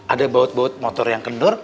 ada baut baut motor yang kendor